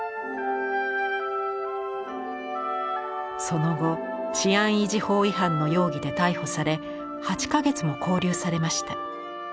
その後治安維持法違反の容疑で逮捕され８か月も勾留されました。